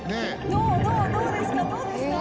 どうですか？」